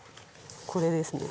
これですね。